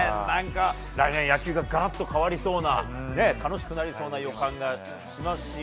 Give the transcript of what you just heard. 野球がガラッと変わりそうな楽しくなりそうな予感がしますし。